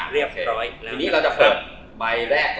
เรียบร้อยแล้ว